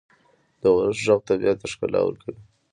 • د اورښت ږغ طبیعت ته ښکلا ورکوي.